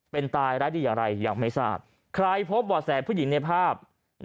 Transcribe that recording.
เป็นตายร้ายดีอย่างไรยังไม่ทราบใครพบบ่อแสผู้หญิงในภาพ